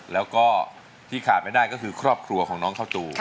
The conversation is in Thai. แล้วก็ที่ขาดไม่ได้ก็คือครอบครัวของน้องข้าวตู